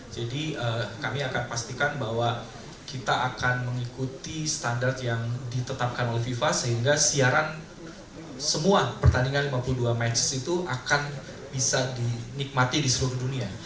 jadi kami akan pastikan bahwa kita akan mengikuti standar yang ditetapkan oleh viva sehingga siaran semua pertandingan lima puluh dua matches itu akan bisa dinikmati di seluruh dunia